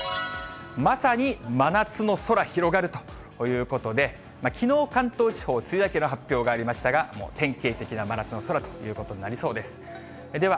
まさに真夏の空、広がるということで、きのう関東地方、梅雨明けの発表がありましたが、もう典型的な真夏の空ということになりそうです。